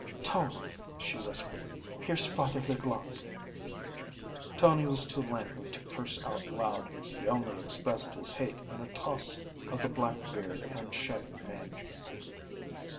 "Tony," she whispered, "here's Father Leblanc." Tony was too languid to curse out loud; he only expressed his hate in a toss of the black beard and shaggy mane.